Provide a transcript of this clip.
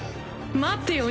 待ってよ